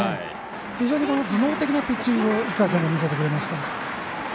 非常に頭脳的なピッチングを１回戦で見せてくれました。